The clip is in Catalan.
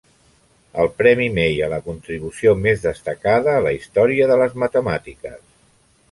El Premi May a la contribució més destacada a la història de las matemàtiques.